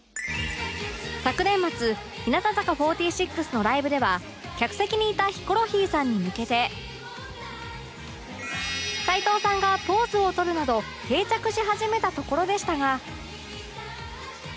昨年末日向坂４６のライブでは客席にいたヒコロヒーさんに向けて齊藤さんがポーズをとるなど定着し始めたところでしたが